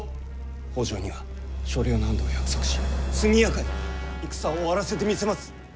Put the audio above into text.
北条には所領の安堵を約束し速やかに戦を終わらせてみせます！